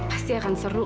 pasti akan seru